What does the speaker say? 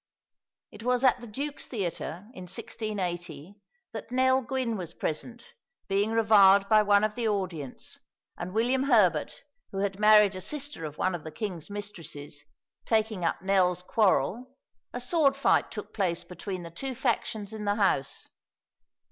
It was at the Duke's Theatre, in 1680, that Nell Gwynn who was present, being reviled by one of the audience, and William Herbert, who had married a sister of one of the king's mistresses, taking up Nell's quarrel a sword fight took place between the two factions in the house.